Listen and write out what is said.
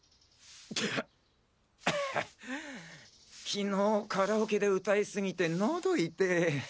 昨日カラオケで歌いすぎてノド痛ェ。